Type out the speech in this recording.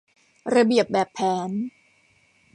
ระเบียบแบบแผน